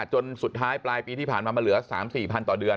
จนสุดท้ายปลายปีที่ผ่านมามันเหลือ๓๔พันต่อเดือน